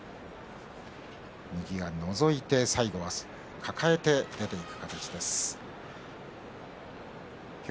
右がのぞいて最後は抱えて出ていきました。